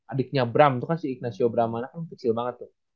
adiknya bram itu kan si ignasio bramana kan kecil banget tuh